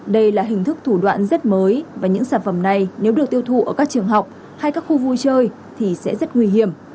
đây là hình thức thủ đoạn rất mới và những sản phẩm này nếu được tiêu thụ ở các trường học hay các khu vui chơi thì sẽ rất nguy hiểm